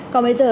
còn bây giờ